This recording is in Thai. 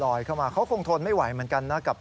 มันลอยเข้ามาเขาคงทนไม่ไหวเหมือนกันนะ